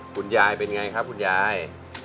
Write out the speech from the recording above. คุณยายเป็นไงครับคุณยาย